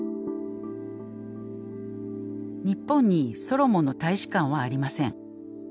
日本にソロモンの大使館はありません。